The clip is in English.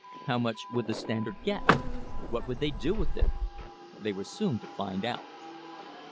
How much would the Standard get? What would they do with it? They were soon to find out.